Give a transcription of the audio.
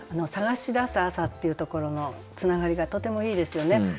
「探し出す朝」っていうところのつながりがとてもいいですよね。